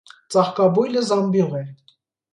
Ծաղկաբույլը զամբյուղ է։